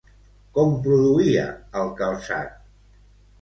Com produïa el calçat?